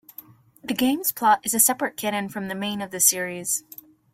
The game's plot is a separate canon from the main of the series.